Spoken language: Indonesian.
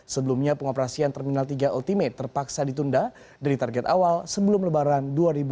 sebelumnya pengoperasian terminal tiga ultimate terpaksa ditunda dari target awal sebelum lebaran dua ribu dua puluh